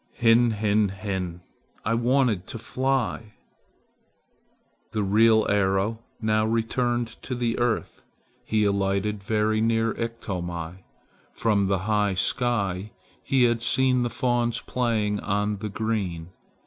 "Hin hin hin! I wanted to fly!" The real arrow now returned to the earth. He alighted very near Iktomi. From the high sky he had seen the fawns playing on the green.